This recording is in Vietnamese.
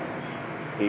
thì mình sẽ đánh giá